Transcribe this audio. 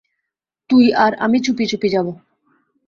তুই আর আমি চুপি চুপি যাবো।